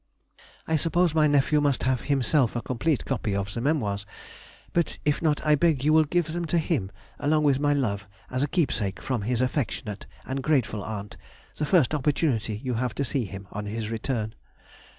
I suppose my nephew must have himself a complete copy of the Memoirs; but, if not, I beg you will give them to him, along with my love, as a keepsake from his affectionate and grateful aunt, the first opportunity you have to see him on his return.